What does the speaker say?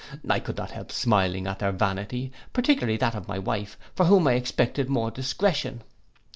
I could not help smiling at their vanity, particularly that of my wife, from whom I expected more discretion.